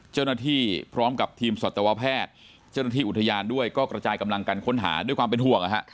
เจ้าหน้าที่พร้อมกับทีมสัตวแพทย์เจ้าหน้าที่อุทยานด้วยก็กระจายกำลังกันค้นหาด้วยความเป็นห่วง